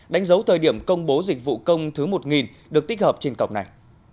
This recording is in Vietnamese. đánh dấu thời điểm công bố dịch vụ công thứ một được tích hợp trên cổng này